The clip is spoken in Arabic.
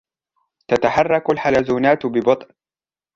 تتحرك الحلزونات ببطء.